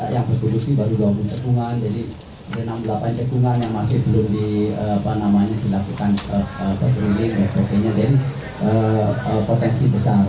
yang berdulusi baru dua puluh cekungan jadi enam puluh delapan cekungan yang masih belum dilakukan perpuluhan dan potensi besar